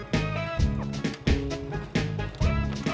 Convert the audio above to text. malam ini sebenernya kelipulan